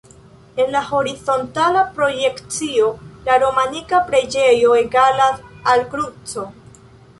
En horizontala projekcio la romanika preĝejo egalas al kruco.